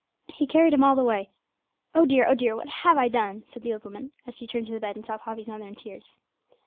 He carried him all the way Oh, dear! oh, dear! what have I done!' said the old woman, as she turned to the bed and saw Poppy's mother in tears.